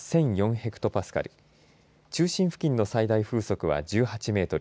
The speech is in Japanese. ヘクトパスカル中心付近の最大風速は１８メートル